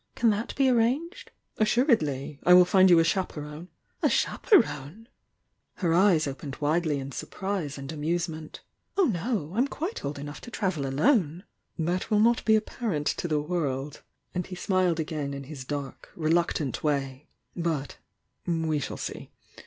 Can that be arranged?" "Assuredly! I will find you a chaperone " "A chaperone!" Her eyes opened widely in sur priw and amusement. "Oh, no! I'm quite old enoudi to travel alone!" "1% will not be apparent to the world" — And he smiled asain in his dark, reluctant way— "But— we shall aee.